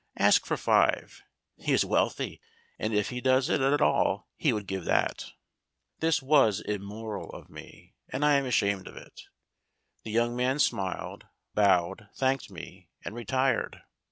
Ask for five. He is wealthy, and if he does it at all he would give that." This was immoral of me, and I am ashamed of it. The young man smiled, bowed, thanked me, and re tired.